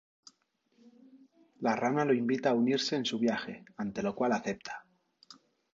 La rana lo invita a unirse en su viaje, ante lo cual acepta.